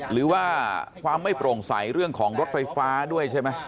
หรือว่าความไม่โปร่งใสเรื่องของรถไฟฟ้าด้วยใช่ไหม